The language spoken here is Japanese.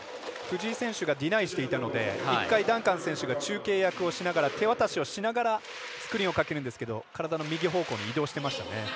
藤永選手がディライしていたので１回、ダンカン選手が中継役をしながら手渡しをしながらスクリーンをかけるんですけど体の右方向に移動してましたね。